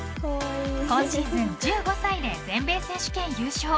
今シーズン１５歳で全米選手権優勝。